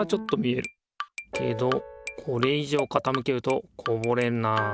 けどこれいじょうかたむけるとこぼれるな。